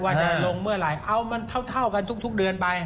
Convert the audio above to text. ว่าจะลงเมื่อไหร่เอามันเท่ากันทุกเดือนไป